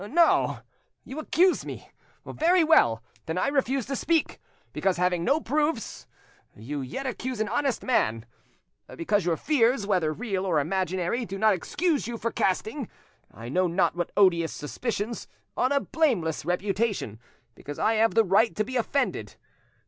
No, you accuse me; very well! then I refuse to speak, because, having no proofs, you yet accuse an honest man; because your fears, whether real or imaginary, do not excuse you for casting, I know not what odious suspicions, on a blameless reputation, because I have the right to be offended.